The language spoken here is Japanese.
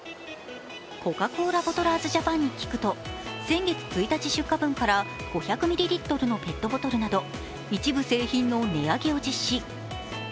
コカ・コーラボトラーズジャパンに聞くと、先月１日出荷分から５００ミリリットルのペットボトルなど一部製品の値上げを実施。